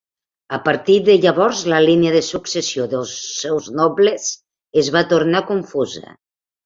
A partir de llavors la línia de successió dels seus nobles es va tornar confusa.